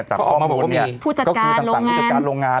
ผู้จัดการโรงงาน